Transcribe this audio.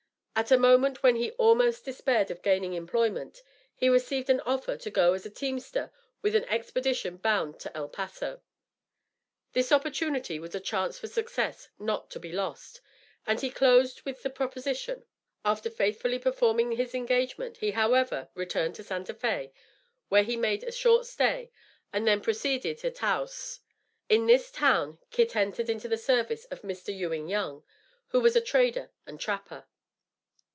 At a moment when he almost despaired of gaining employment, he received an offer to go as a teamster with an expedition bound to El Paso. This opportunity was a chance for success not to be lost, and he closed with the proposition. After faithfully performing his engagement, he, however, returned to Santa Fé, where he made a short stay, and then proceeded to Taos. In this town Kit entered into the service of Mr. Ewing Young, who was a trader and trapper.